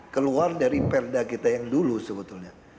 keluar dari perda kita yang dulu sebetulnya